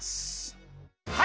はい。